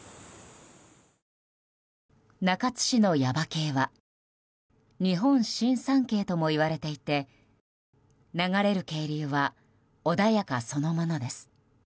中津市の耶馬渓は日本新三景ともいわれていて流れる渓流は穏やかそのものです。